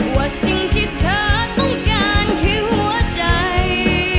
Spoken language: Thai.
ว่าสิ่งที่เธอต้องการคือหัวใจ